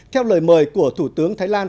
theo lời mời của thủ tướng thái lan